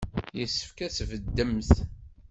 Yessefk ad tbeddemt.